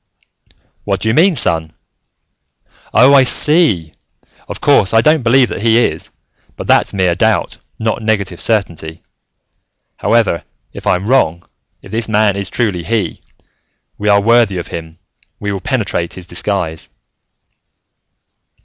"What do you mean, son? Oh, I see. Of course, I don't believe that he is, but that's mere doubt, not negative certainty. However, if I'm wrong, if this man is truly He, we are worthy of him, we will penetrate his disguise."